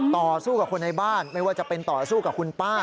ต่อสู้กับคนในบ้านไม่ว่าจะเป็นต่อสู้กับคุณป้า